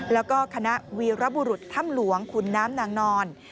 แล้วก็คณะวีรบุรุษถ้ำหลวงขุนน้ำนางนอน